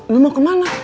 lu mau kemana